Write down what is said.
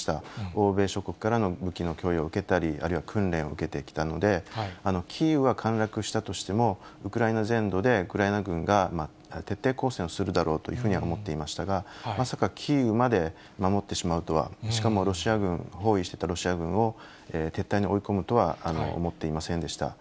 欧米諸国からの武器の供与を受けたり、あるいは訓練を受けてきたので、キーウは陥落したとしても、ウクライナ全土でウクライナ軍が徹底抗戦をするだろうというふうには思っていましたが、まさかキーウまで守ってしまうとは、しかもロシア軍、包囲してたロシア軍を撤退に追い込むとは思っていませんでした。